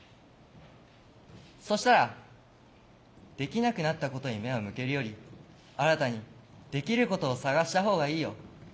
そしたら「できなくなったことに目を向けるより新たにできることを探した方がいいよ。